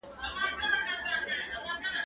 زه له سهاره سپينکۍ پرېولم،